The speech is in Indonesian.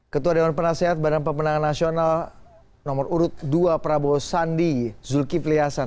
ketua dewan penasehat badan pemenang nasional nomor urut dua prabowo sandi zulkifli hasan